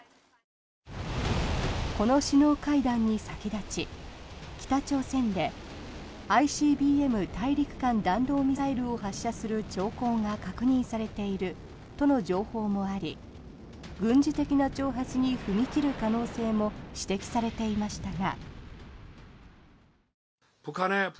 この首脳会談に先立ち北朝鮮でＩＣＢＭ・大陸間弾道ミサイルを発射する兆候が確認されているとの情報もあり軍事的な挑発に踏み切る可能性も指摘されていましたが。